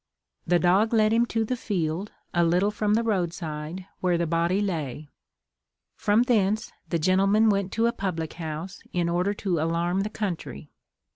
The dog led him to the field, a little from the roadside, where the body lay. From thence the gentleman went to a public house, in order to alarm the country.